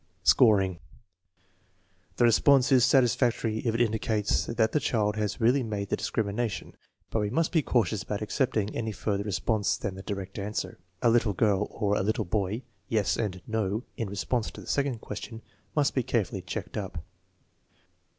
Scoring. The response is satisfactory if it indicates that the child has really made the discrimination, but we must be cautious about accepting any other response than the direct answer, " A little girl," or, " A little boy." " Yes " and " no " in response to the second question must be carefully checked up.